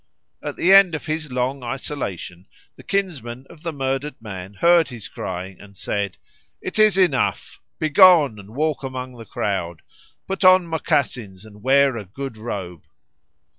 At the end of his long isolation the kinsmen of the murdered man heard his crying and said, "It is enough. Begone, and walk among the crowd. Put on moccasins and wear a good robe."